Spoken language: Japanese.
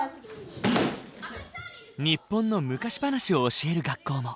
日本の昔話を教える学校も。